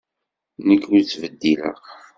Nekk ur ttbeddileɣ.